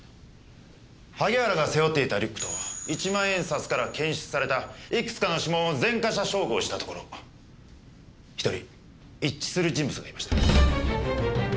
萩原が背負っていたリュックと１万円札から検出されたいくつかの指紋を前科者照合したところ１人一致する人物がいました。